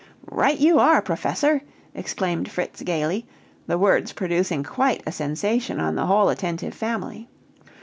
"Right you are, Professor!" exclaimed Fritz gaily, the words producing quite a sensation on the whole attentive family.